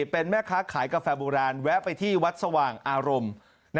เป็นแม่ค้าขายกาแฟโบราณแวะไปที่วัดสว่างอารมณ์